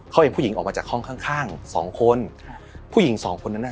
เขาเห็นผู้หญิงออกมาจากห้องข้างข้างสองคนครับผู้หญิงสองคนนั้นน่ะ